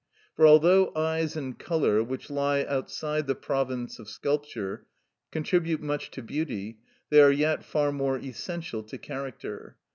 For although eyes and colour, which lie outside the province of sculpture, contribute much to beauty, they are yet far more essential to character.